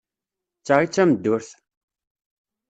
D ta i d tameddurt!